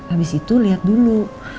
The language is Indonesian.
abis itu liat dulu